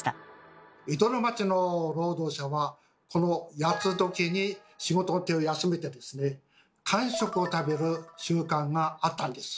江戸の町の労働者はこの八つ刻に仕事の手を休めて間食を食べる習慣があったんです。